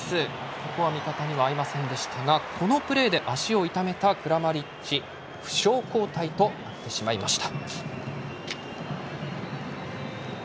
ここは味方には合いませんでしたがこのプレーで足を痛めたクラマリッチ負傷交代となってしまいました。